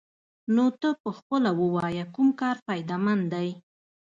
نو ته پخپله ووايه كوم كار فايده مند دې؟